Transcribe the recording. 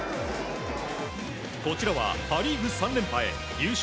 こちらはパ・リーグ３連覇へ優勝